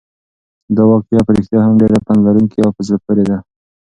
دا واقعه په رښتیا هم ډېره پنده لرونکې او په زړه پورې ده.